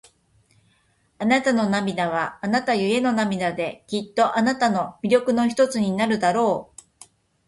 あなたの涙は、あなたゆえの涙で、きっとあなたの魅力の一つになるだろう。